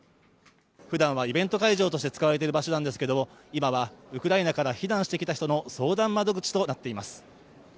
ふだんはイベント会場として使われている場所なんですけど、今はウクライナから避難してきた人の相談窓口となっています。